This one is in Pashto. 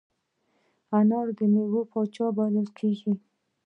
انار د میوو پاچا بلل کېږي.